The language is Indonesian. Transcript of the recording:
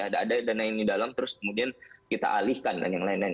ada ada dana yang ada di dalam terus kemudian kita alihkan dan yang lain lain